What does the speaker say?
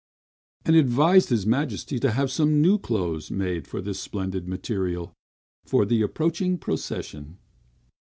and advised his majesty to have some new clothes made from this splendid material, for the approaching procession.